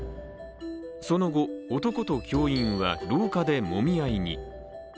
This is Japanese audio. その後、男と教員は廊下でもみ合いに。